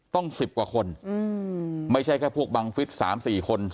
ต้องสิบกว่าคนอืมไม่ใช่แค่พวกบังฟิศสามสี่คน